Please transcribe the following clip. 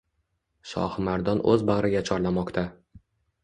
Shohimardon oʻz bagʻriga chorlamoqda